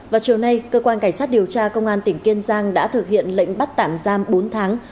vào chiều nay cơ quan cảnh sát điều tra công an tỉnh kiên giang đã thực hiện lệnh bắt tạm giam bốn tháng